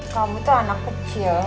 kamu tuh anak kecil